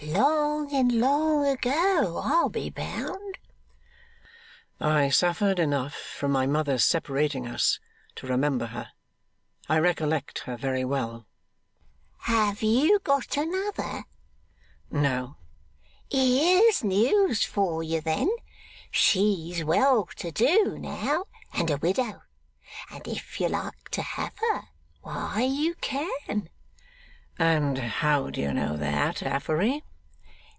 Long and long ago, I'll be bound.' 'I suffered enough from my mother's separating us, to remember her. I recollect her very well.' 'Have you got another?' 'No.' 'Here's news for you, then. She's well to do now, and a widow. And if you like to have her, why you can.' 'And how do you know that, Affery?